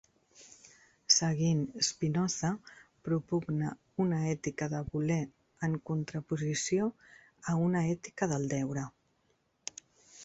Seguint Spinoza, propugna una ètica del voler en contraposició a una ètica del deure.